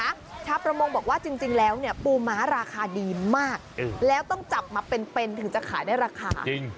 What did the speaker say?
ชาวประมงบอกว่าจริงแล้วเนี่ยปูม้าราคาดีมากแล้วต้องจับมาเป็นเป็นถึงจะขายได้ราคาจริง